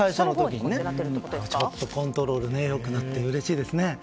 ちょっとコントロールが良くなってうれしいですね。